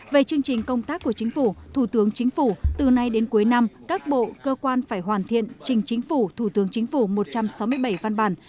về chương trình công tác của chính phủ thủ tướng chính phủ từ nay đến cuối năm các bộ cơ quan phải hoàn thiện trình chính phủ thủ tướng chính phủ một trăm sáu mươi bảy văn bản